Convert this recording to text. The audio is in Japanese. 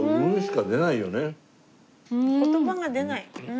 言葉が出ない。